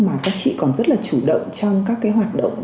mà các chị còn rất là chủ động trong các cái hoạt động